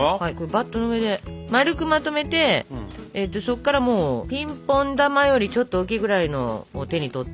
バットの上で丸くまとめてそっからもうピンポン球よりちょっと大きいぐらいのを手に取って。